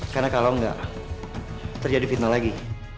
karena kalau enggak terjadi fitnah lagi